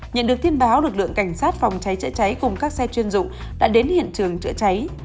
nhận được tin báo lực lượng cảnh sát phòng cháy chữa cháy cùng các xe chuyên dụng đã đến hiện trường chữa cháy